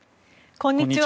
こんにちは。